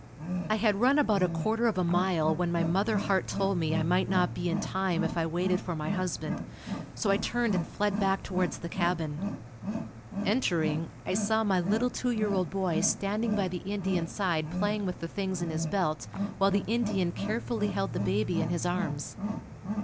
I had run about a quarter of a mile when my mother heart told me I might not be in time if I waited for my husband, so I turned and fled back towards the cabin. Entering, I saw my little two year old boy standing by the Indian's side playing with the things in his belt while the Indian carefully held the baby in his arms.